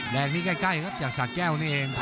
ได้พลิกล้ายออกจากสาทแก้วเนี่ย